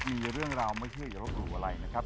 มีเรื่องราวไม่เชื่ออย่าลบหลู่อะไรนะครับ